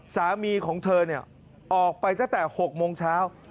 สามีของเธอออกไปตั้งแต่๖โมงเช้า